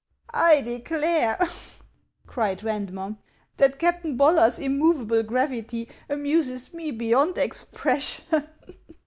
" I declare," cried Randrner, " that Captain Bollar's im movable gravity amuses me beyond expression."